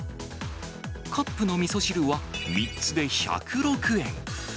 カップのみそ汁は３つで１０６円。